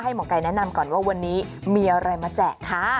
หมอไก่แนะนำก่อนว่าวันนี้มีอะไรมาแจกค่ะ